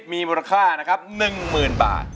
วันนี้มีมูลค่านะครับหนึ่งหมื่นบาท